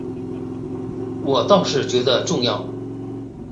我倒是觉得重要